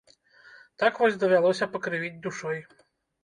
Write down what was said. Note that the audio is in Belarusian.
Так вось давялося пакрывіць душой.